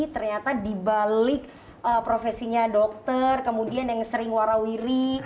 ternyata dibalik profesinya dokter kemudian yang sering warawiri